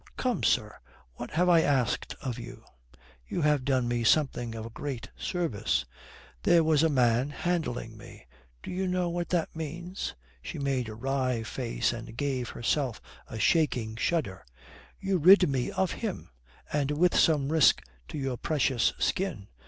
"Come, sir, what have I asked of you? You have done me something of a great service. There was a man handling me do you know what that means? " she made a wry face and gave herself a shaking shudder "You rid me of him, and with some risk to your precious skin.